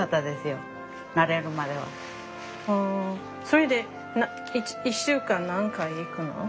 それで１週間何回行くの？